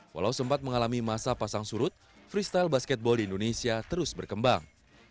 walau sempat mengalami masa pasang surut freestyle basketball di indonesia terus berkembang